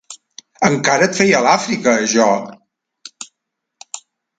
Encara et feia a l'Àfrica, jo!